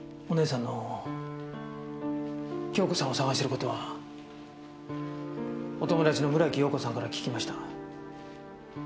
お姉さんの杏子さんを捜してる事はお友達の村木葉子さんから聞きました。